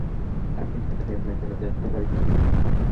আপনি টাকা নেন না কেন, জানতে পারি কি?